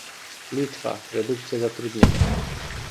Litwa - redukcja zatrudnienia